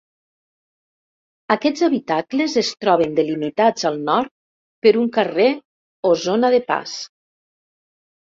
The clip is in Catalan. Aquests habitacles es troben delimitats al nord per un carrer o zona de pas.